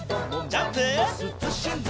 ジャンプ！